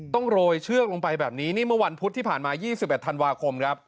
ต้องโรยชื่อกลงไปแบบนี้นี่เมื่อวันพุธที่ผ่านมายี่สิบแปดทานวาคมครับ